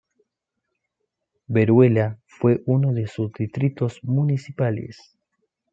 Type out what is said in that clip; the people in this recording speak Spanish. Veruela fue uno de sus distritos municipales.